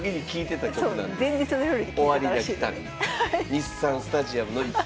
日産スタジアムの１曲目。